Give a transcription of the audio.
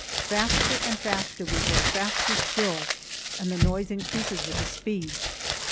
Faster and faster we go, faster still, and the noise increases with the speed.